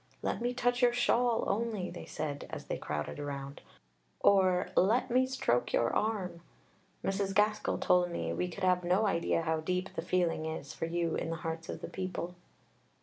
'Let me touch your shawl only,' they said as they crowded round, or 'Let me stroke your arm.' Mrs. Gaskell told me we could have no idea how deep the feeling is for you in the hearts of the people."